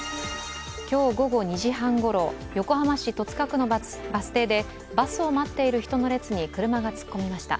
今日午後２時半ごろ、横浜市戸塚区のバス停でバスを待っている人の列に車が突っ込みました。